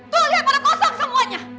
tuh lihat orang kosong semuanya